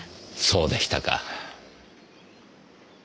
そうでしたか。